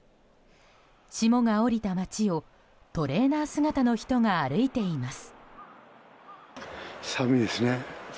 霜が降りた町をトレーナー姿の人が歩いています。